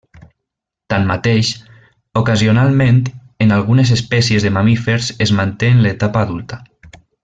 Tanmateix, ocasionalment en algunes espècies de mamífers es manté en l'etapa adulta.